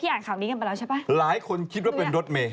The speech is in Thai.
อ่านข่าวนี้กันไปแล้วใช่ป่ะหลายคนคิดว่าเป็นรถเมย